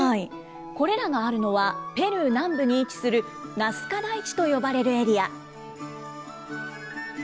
これらがあるのは、ペルー南部に位置するナスカ台地と呼ばれるエリア。